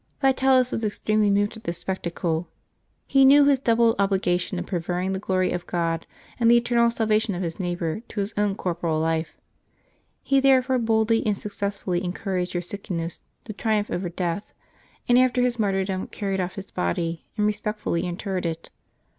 Yitalis was extremely moved at this spectacle. He knew his double obligation of preferring the glory of God and the eternal salvation of his neighbor to his own corporal life : he therefore boldly and successfully encouraged Ursicinus to triumph over death, and after his martyrdom carried off his body, and re spectfully interred it.